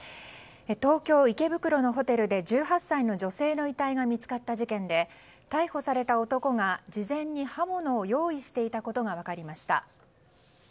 東京・池袋のホテルで１８歳の女性の遺体が見つかった事件で逮捕された男が事前に刃物を用意していたことが分かりました。